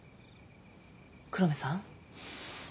黒目さん？